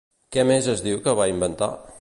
Què més es diu que va inventar?